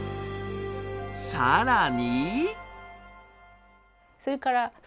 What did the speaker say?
さらに！